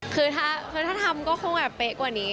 คือถ้าทำก็คงแบบเป๊ะกว่านี้